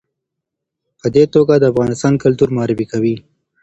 په دې توګه د افغانستان کلتور معرفي کوي.